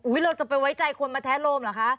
อุ้ยเราจะไปไว้ใจคนมาแทะลมหรอคะ